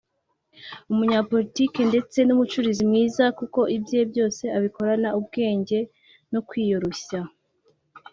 umunyapolitiki ndetse n’umucuruzi mwiza kuko ibye byose abikorana ubwenge no kwiyoroshya